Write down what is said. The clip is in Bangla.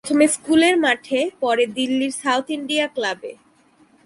প্রথমে স্কুলের মাঠে, পরে দিল্লির সাউথ ইন্ডিয়া ক্লাবে।